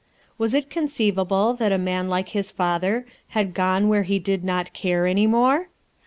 Was it conceivable that a man like his father had gone where he did not care, any more?